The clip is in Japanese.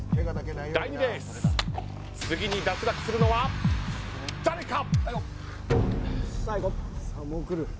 第２レース次に脱落するのは誰か！